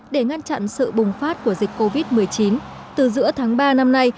để ngăn chặn sự bùng phát của dịch covid một mươi chín từ giữa tháng ba năm nay